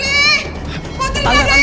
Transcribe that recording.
putri ada ibu putri